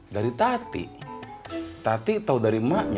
dari tati tati tahu dari emaknya